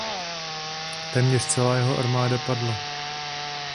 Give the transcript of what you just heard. Téměř celá jeho armáda padla.